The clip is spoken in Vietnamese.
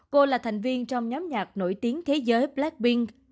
cô là thành viên trong nhóm nhạc nổi tiếng thế giới blackpink